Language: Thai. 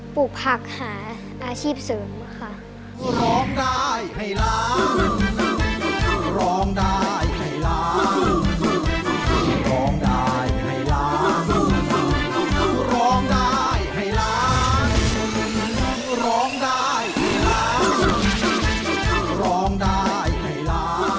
ปลูกผักหาอาชีพเสริมค่ะ